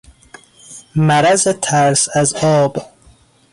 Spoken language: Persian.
مرض ترس از آب